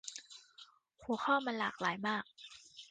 หัวข้อมันหลากหลายมาก